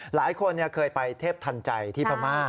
หลายคนเคยไปเทพทันใจที่พม่า